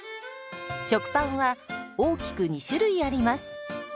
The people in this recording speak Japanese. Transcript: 食パンは大きく２種類あります。